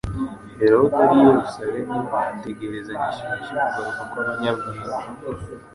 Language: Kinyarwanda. Herode ari i Yerusalemu ategerezanya ishyushyu kugaruka kw'abanyabwenge.